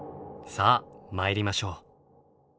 さあ参りましょう。